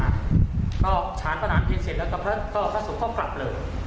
เราก็ฉานวันนั้นเพลงเสร็จแล้วก็พระศพก็กลับเลย